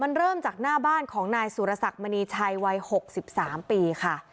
มันเริ่มจากหน้าบ้านของนายสุรสักมณีชัยวัย๖๓ปีค่ะ